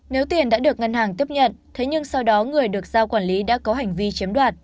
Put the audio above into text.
nếu tiền đã được ngân hàng tiếp nhận thế nhưng sau đó người được giao quản lý đã có hành vi chiếm đoạt